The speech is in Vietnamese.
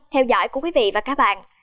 theo dõi của quý vị và các bạn